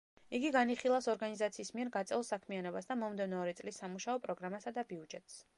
იგი განიხილავს ორგანიზაციის მიერ გაწეულ საქმიანობას და მომდევნო ორი წლის სამუშაო პროგრამასა და ბიუჯეტს.